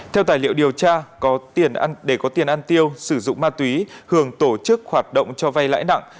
theo tài liệu điều tra để có tiền ăn tiêu sử dụng ma túy hường tổ chức hoạt động cho vay lãi nặng